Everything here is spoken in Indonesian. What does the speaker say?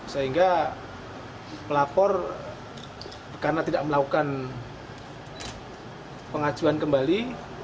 sehingga melapor karena tidak melakukan pengajuan kembali